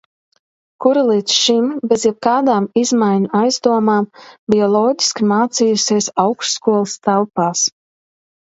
Kura līdz šim bez jebkādām izmaiņu aizdomām bija loģiski mācījusies augstskolas telpās.